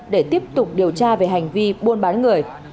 để tiếp tục điều tra về hành vi buôn bán người